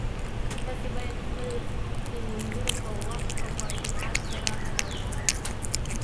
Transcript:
تاسو باید خپل لمونځونه په وخت او په جماعت سره ادا کړئ